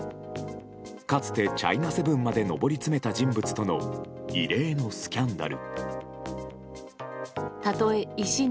かつてチャイナ７まで上り詰めた人物との異例のスキャンダル。